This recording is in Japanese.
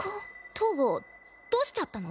東郷どうしちゃったの？